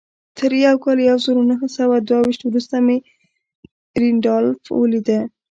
تر کال يو زر و نهه سوه دوه ويشت وروسته مې رينډالف ليده.